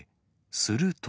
すると。